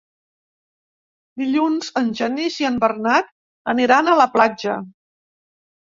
Dilluns en Genís i en Bernat aniran a la platja.